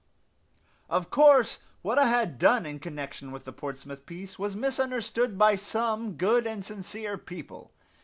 Of course what I had done in connection with the Portsmouth peace was misunderstood by some good and sincere people.